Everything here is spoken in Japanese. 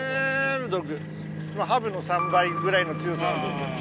ハブの３倍ぐらいの強さ。